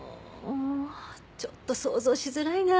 ちょっと想像しづらいな。